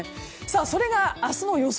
それが明日の予想